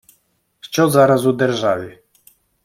Що зараз у державі?